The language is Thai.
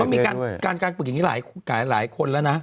มีการการฝึกอย่างนี้หลายคนแล้วนะ